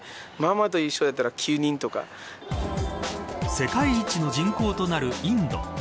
世界一の人口となるインド。